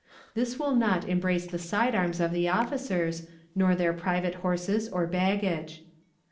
"This will not embrace the side arms of the officers, nor their private horses or baggage.